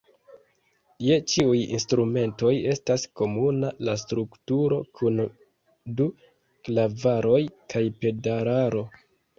Je ĉiuj instrumentoj estas komuna la strukturo kun du klavaroj kaj pedalaro.